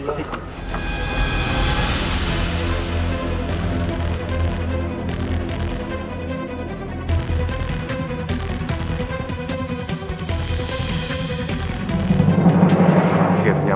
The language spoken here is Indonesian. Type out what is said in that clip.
baik ganjeng sunan